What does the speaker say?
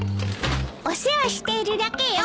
お世話しているだけよ！